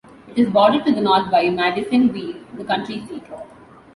It is bordered to the north by Madisonville, the county seat.